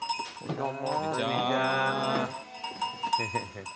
どうも。